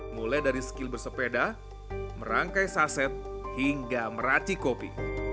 mulai dari skill bersepeda merangkai saset hingga meraci kopi